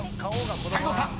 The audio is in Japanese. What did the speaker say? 泰造さん］